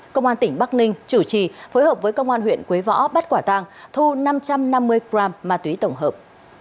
công an tỉnh bắc ninh chủ trì phối hợp với công an huyện quế võ bắt quả tang thu năm trăm năm mươi g ma túy tổng hợp